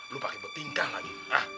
lu pake betingkah lagi